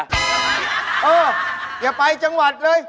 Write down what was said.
เอออย่าไปจังหวัดเลย